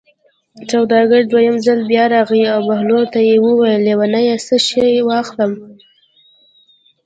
سوداګر دویم ځل بیا راغی او بهلول ته یې وویل: لېونیه څه شی واخلم.